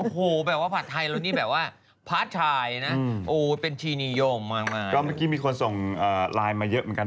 ก็เมื่อกี้มีคนส่งไลน์มาเยอะเหมือนกัน